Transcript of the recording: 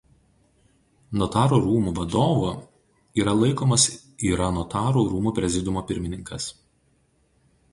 Notarų rūmų vadovu yra laikomas yra Notarų rūmų prezidiumo pirmininkas.